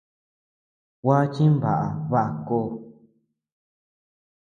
Gua chimbaʼa baʼa ko.